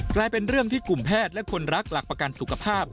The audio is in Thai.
กลายเป็นเรื่องที่กลุ่มแพทย์และคนรักหลักประกันสุขภาพ